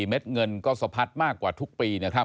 เม็ดเงินก็สะพัดมากกว่าทุกปี